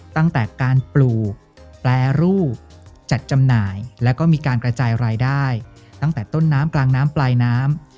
ตั้งแต่การปลูกแปรรูปจัดจำหน่ายแล้วก็มีการกระจายรายได้ตั้งแต่ต้นน้ำกลางน้ำปลายน้ำ